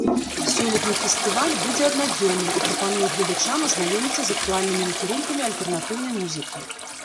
Сёлетні фестываль будзе аднадзённым і прапануе гледачам азнаёміцца з актуальнымі накірункамі альтэрнатыўнай музыкі.